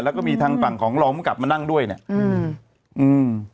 แล้วก็มีทางหลังของมร้องกลับมานั่งด้วยเนี่ย